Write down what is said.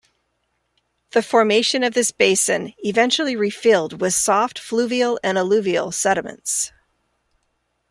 The formation of this basin eventually refilled with soft fluvial and alluvial sediments.